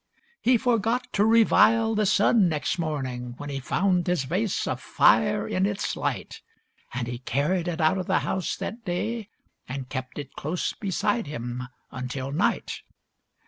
He forgot to revile the sun next morning When he found his vase afire in its light. And he carried it out of the house that day, And kept it close beside him until night.